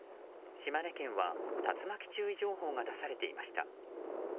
島根県は竜巻注意情報が出されていました。